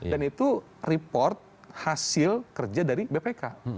dan itu report hasil kerja dari bpk